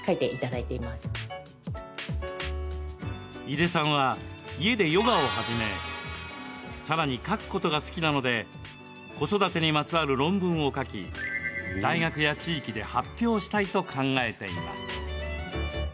井出さんは、家でヨガを始めさらに書くことが好きなので子育てにまつわる論文を書き大学や地域で発表したいと考えています。